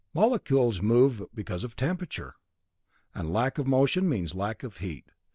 Molecules move because of temperature, and lack of motion means lack of heat.